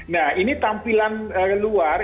nah ini tampilan luar